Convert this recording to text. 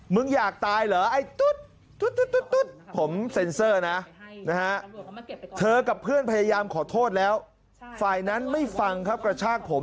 อยากตายเหรอไอ้ตุ๊ดผมเซ็นเซอร์นะนะฮะเธอกับเพื่อนพยายามขอโทษแล้วฝ่ายนั้นไม่ฟังครับกระชากผม